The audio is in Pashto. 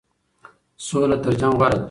سوله تر جنګ غوره ده.